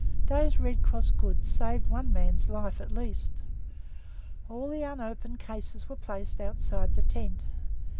Those Red Cross goods saved one man's life at least. All the unopened cases were placed outside the tent.